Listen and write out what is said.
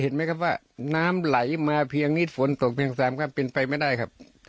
น้ำไหลมาเพียงนิดฝนตกเพียงแสงก็เป็นไปไม่ได้ครับ